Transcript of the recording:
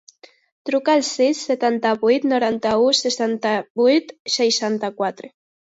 Truca al sis, setanta-vuit, noranta-u, seixanta-vuit, seixanta-quatre.